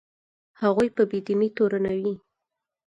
هغوی په بې دینۍ تورنوي.